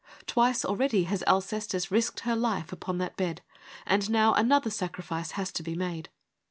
Twice already has Alcestis risked her life upon that bed, and now another sacrifice has to be made.